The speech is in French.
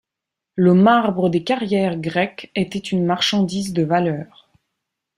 Le marbre des carrières grecques était une marchandise de valeur.